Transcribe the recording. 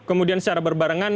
kemudian secara berbarengan